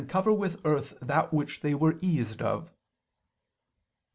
. cover with earth that which they were eased of."